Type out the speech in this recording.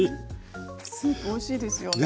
スープおいしいですよね。